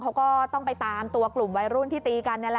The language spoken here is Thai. เขาก็ต้องไปตามตัวกลุ่มวัยรุ่นที่ตีกัน